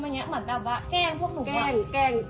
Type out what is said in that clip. เหมือนแบบว่าแกล้งพวกหนู